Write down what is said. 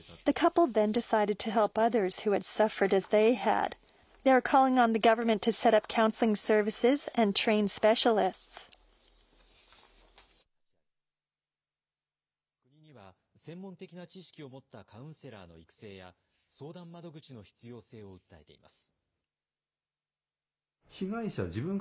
国には専門的な知識を持ったカウンセラーの育成や、相談窓口の必要性を訴えています。